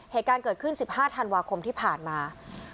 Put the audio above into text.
เหตุการณ์เกิดขึ้น๑๕ธันวาคมที่ผ่านมา